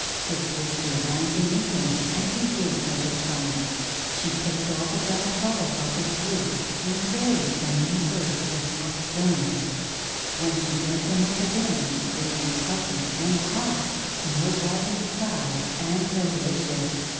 His sister ran to meet him, and he gave her the plant. She picked all the brown balls off its roots, and buried some in the earth with hot stones. WTien she dug them up again, they were puffy and hot, snow white inside, and delicious!